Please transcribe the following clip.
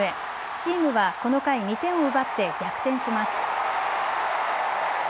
チームは、この回２点を奪って逆転します。